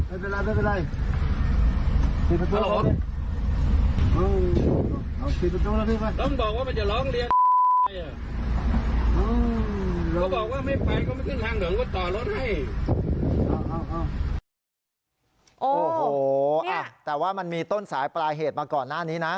โอ้โหแต่ว่ามันมีต้นสายปลายเหตุมาก่อนหน้านี้นะ